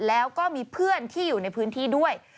แล้วก็มีเพื่อนที่อยู่ในพื้นที่ด้วย